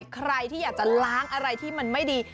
ใครที่อยากจะล้างอะไรที่มันไม่ดี